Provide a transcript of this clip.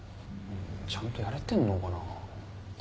ちゃんとやれてんのかなぁ。